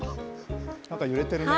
なんか揺れてるね。